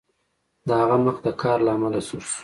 د هغه مخ د قهر له امله سور شو